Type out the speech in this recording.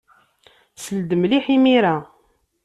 Sel-d mliḥ imir-a.